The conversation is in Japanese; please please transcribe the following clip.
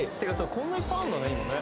こんないっぱいあるんだね